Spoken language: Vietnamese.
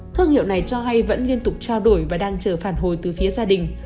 thương hiệu này cho hay vẫn liên tục trao đổi và đang chờ phản hồi từ phía gia đình